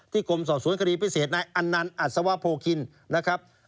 กรมสอบสวนคดีพิเศษนายอันนันต์อัศวโพคินนะครับ